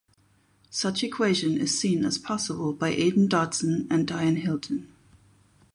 Such equation is seen as possible by Aidan Dodson and Dyan Hilton.